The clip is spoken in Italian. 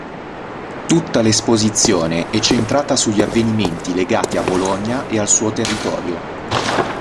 Tutta l'esposizione è centrata sugli avvenimenti legati a Bologna e al suo territorio.